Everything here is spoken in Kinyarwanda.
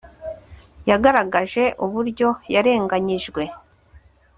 yagaragaje uburyo yarenganyijwe